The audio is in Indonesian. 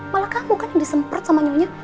malah kamu kan yang disempet sama nyonya